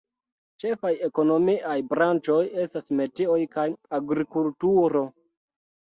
Ĉefaj ekonomiaj branĉoj estas metioj kaj agrikulturo.